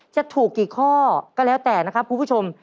จะถูกกี่ข้อก็แล้วแต่นะครับคุณผู้ชม